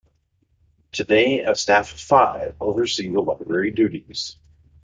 Today a staff of five oversee the library duties.